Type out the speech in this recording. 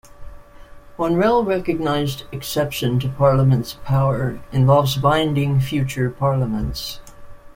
One well-recognised exception to Parliament's power involves binding future Parliaments.